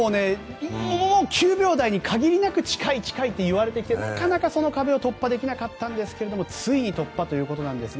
もう９秒台に限りなく近い近いって言われてきてなかなかその壁を突破できなかったんですがついに突破ということなんですが。